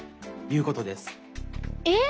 えっ？